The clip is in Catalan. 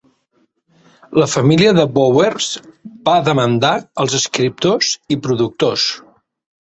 La família de Bowers va demandar els escriptors i productors.